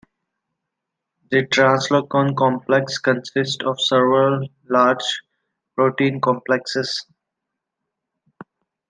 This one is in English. The translocon complex consists of several large protein complexes.